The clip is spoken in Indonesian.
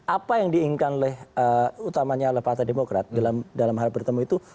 apa yang diinginkan oleh utamanya oleh partai demokrat dalam hal bertemu itu